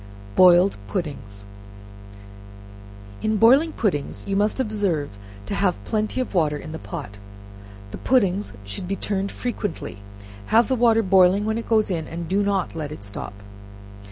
Boiling Puddings. In boiling puddings, you must observe to have plenty of water in the pot; the pudding should be turned frequently, have the water boiling when it goes in, and do not let it stop.